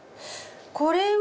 これは？